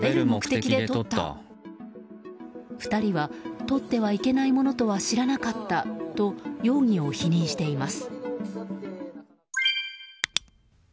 ２人はとってはいけないものとは知らなかったと容疑を否認しています。